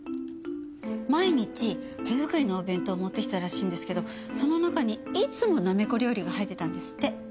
毎日手作りのお弁当持ってきてたらしいんですけどその中にいつもなめこ料理が入ってたんですって。